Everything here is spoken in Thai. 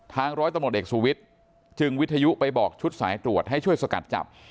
ร้อยตำรวจเอกสุวิทย์จึงวิทยุไปบอกชุดสายตรวจให้ช่วยสกัดจับ